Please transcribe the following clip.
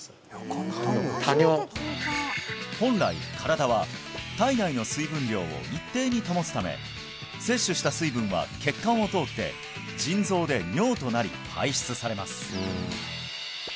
多尿本来身体は体内の水分量を一定に保つため摂取した水分は血管を通って腎臓で尿となり排出されます